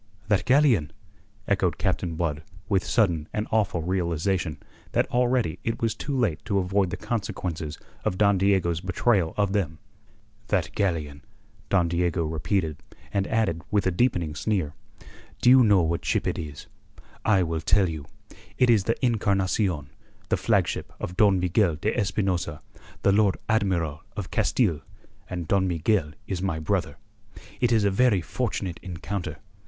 "That galleon!" echoed Captain Blood with sudden and awful realization that already it was too late to avoid the consequences of Don Diego's betrayal of them. "That galleon," Don Diego repeated, and added with a deepening sneer: "Do you know what ship it is? I will tell you. It is the Encarnacion, the flagship of Don Miguel de Espinosa, the Lord Admiral of Castile, and Don Miguel is my brother. It is a very fortunate encounter.